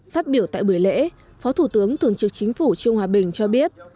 phát biểu tại buổi lễ phó thủ tướng thường trực chính phủ trương hòa bình cho biết